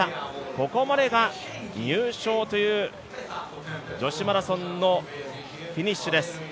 ここまでが入賞という女子マラソンのフィニッシュです。